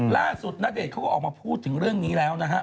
ณเดชน์เขาก็ออกมาพูดถึงเรื่องนี้แล้วนะฮะ